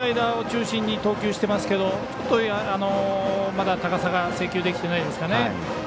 今、スライダーを中心に投球してますけどまだ高さが制球できてないですかね。